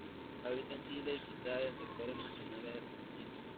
Habita en Chile y, quizá, en sectores marginales de la Argentina.